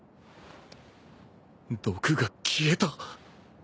毒が消えた。